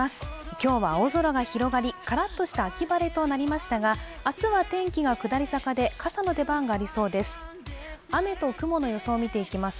今日は青空が広がりからっとした秋晴れとなりましたが明日は天気が下り坂で、傘の出番がありそうです。